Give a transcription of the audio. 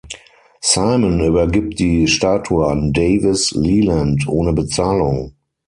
Simon übergibt die Statue an Davis Leland ohne Bezahlung.